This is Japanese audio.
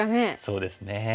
そうですね。